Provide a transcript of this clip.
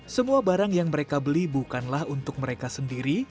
semua barang yang mereka beli bukanlah untuk mereka sendiri